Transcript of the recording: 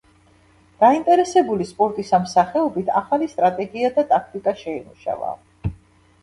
დაინტერესებული სპორტის ამ სახეობით, ახალი სტრატეგია და ტაქტიკა შეიმუშავა.